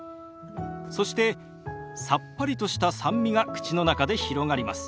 そしてさっぱりとした酸味が口の中で広がります。